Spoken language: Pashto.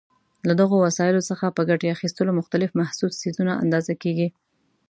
له دغو وسایلو څخه په ګټې اخیستلو مختلف محسوس څیزونه اندازه کېږي.